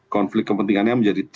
konflik kepentingannya menjadi sangat